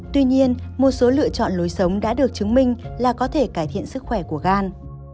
tuy nhiên một số lựa chọn lối sống đã được chứng minh là có thể cải thiện sức khỏe của gan